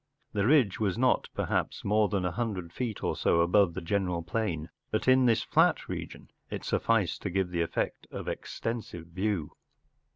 The ridge was not, perhaps, more than a hundred feet or so above the general plain, but in this fiat region it sufficed to give the effect of extensive view.